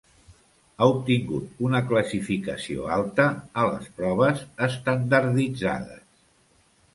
Ha obtingut una classificació alta a les proves estandarditzades.